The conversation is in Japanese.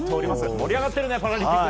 盛り上がってるねパラリンピック。